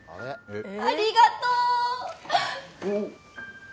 ありがとう！おお。